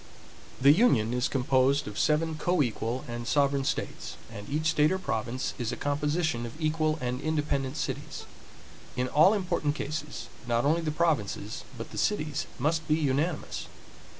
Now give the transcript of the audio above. The union is composed of seven coequal and sovereign states, and each state or province is a composition of equal and independent cities. In all important cases, not only the provinces but the cities must be unanimous.